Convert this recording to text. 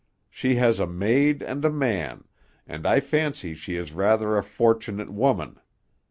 She has a maid and a man, and I fancy she is rather a fortunate woman.